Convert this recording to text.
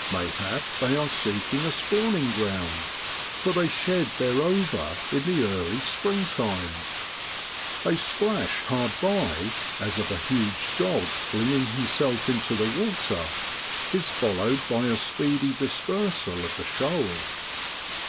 Mayhap they are seeking a spawning ground, for they shed their ova in the early spring time. A splash hard by, as of a huge clog flinging himself into the water, is followed by a speedy dispersal of the shoal.